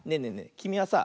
きみはさ